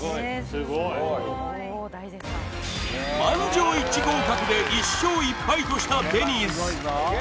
満場一致合格で１勝１敗としたデニーズ